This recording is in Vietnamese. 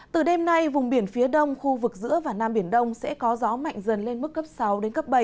từ đêm nay vùng biển phía đông khu vực giữa và nam biển đông sẽ có gió mạnh dần lên mức cấp sáu đến cấp bảy